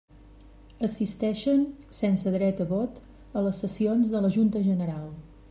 Assisteixen, sense dret a vot, a les sessions de la Junta General.